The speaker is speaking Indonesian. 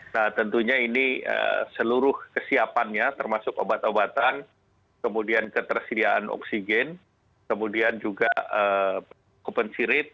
nah tentunya ini seluruh kesiapannya termasuk obat obatan kemudian ketersediaan oksigen kemudian juga open sirit